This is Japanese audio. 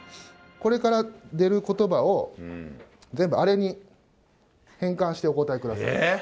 これから出ることばを、全部、アレに変換してお答えください。